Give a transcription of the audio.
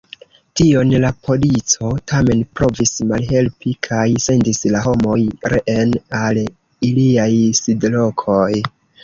Tion la polico tamen provis malhelpi kaj sendis la homoj reen al iliaj sidlokoj.